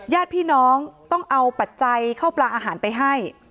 ญาติพี่น้องต้องเอาปัจจัยเข้าปลาอาหารไปให้